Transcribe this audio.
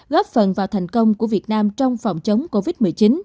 góp phần vào thành công của việt nam trong phòng chống covid một mươi chín